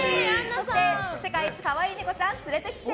そして世界一かわいいネコちゃん連れてきて。